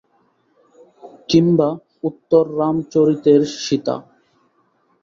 কিম্বা উত্তররামচরিতের সীতা?